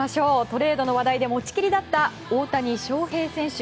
トレードの話題で持ちきりだった大谷翔平選手。